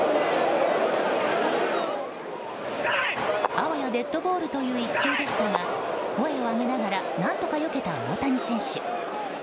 あわやデッドボールという一球でしたが声を上げながら何とかよけた大谷選手。